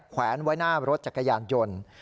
แวนไว้หน้ารถจักรยานยนต์